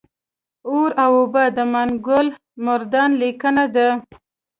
اور او اوبه د ماڼوګل مردان لیکنه ده